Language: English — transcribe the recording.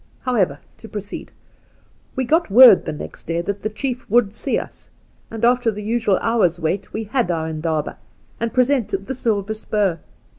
However, to proceed. We got word next day that the chief would see us, and after the usual hour's wait we had our indaba, and presented the silver spur.